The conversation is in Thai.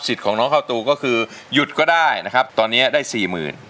ของน้องข้าวตูก็คือหยุดก็ได้นะครับตอนนี้ได้สี่หมื่น